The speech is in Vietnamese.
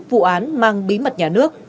vụ án mang bí mật nhà nước